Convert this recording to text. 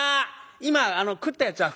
今食ったやつは振る。